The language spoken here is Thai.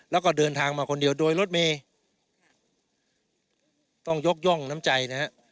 แล้วก็เดินทางมาคนเดียวโดยรถเมย์ต้องยกย่องน้ำใจนะฮะ